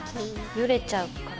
ヨレちゃうから。